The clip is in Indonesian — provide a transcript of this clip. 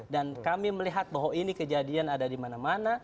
dan kami melihat bahwa ini kejadian ada di mana mana